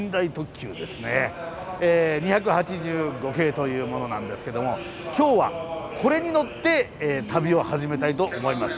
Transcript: ２８５系というものなんですけども今日はこれに乗って旅を始めたいと思います。